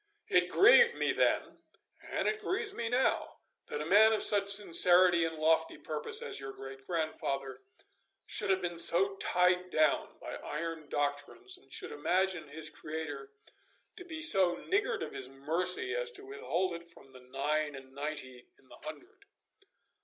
It grieved me then, and it grieves me now, that a man of such sincerity and lofty purpose as your great grandfather should have been so tied down by iron doctrines, and should imagine his Creator to be so niggard of His mercy as to withhold it from nine and ninety in the hundred.